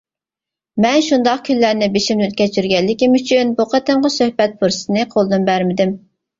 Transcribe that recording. مەن شۇنداق كۈنلەرنى بېشىمدىن كەچۈرگەنلىكىم ئۈچۈن بۇ قېتىمقى سۆھبەت پۇرسىتىنى قولدىن بەرمىدىم.